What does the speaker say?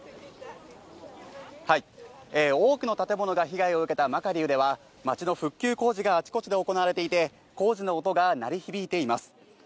多くの建物が被害を受けたマカリウでは、街の復旧工事があちこちで行われていて、工事の音が鳴り響いています。